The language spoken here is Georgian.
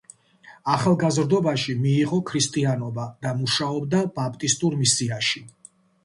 ახალგაზრდობაში მიიღო ქრისტიანობა და მუშაობდა ბაპტისტურ მისიაში.